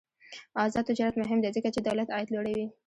آزاد تجارت مهم دی ځکه چې دولت عاید لوړوي.